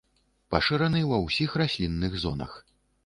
Пашыраны ва ўсіх раслінных зонах.